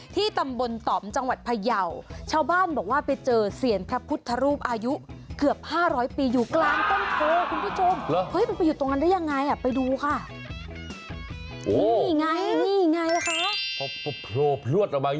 ต้นโพลลวดออกมาอย่างนี้เลยเหรอ